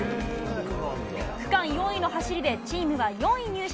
区間４位の走りでチームは４位入賞。